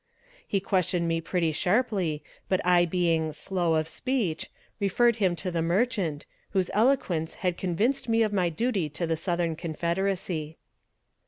He questioned me pretty sharply, but I being "slow of speech," referred him to the merchant, whose eloquence had convinced me of my duty to the Southern confederacy.